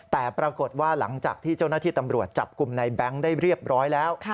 แต่ปรากฏว่าหลังจากที่เจ้าหน้าที่ตำรวจจับกลุ่มในแบงค์ได้เรียบร้อยแล้ว